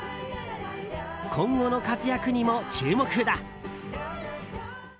今後の活躍にも注目だ。